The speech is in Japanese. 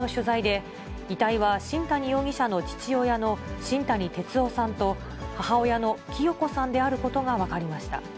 その後の警察への取材で、遺体は新谷容疑者の父親の新谷哲男さんと、母親の清子さんであることが分かりました。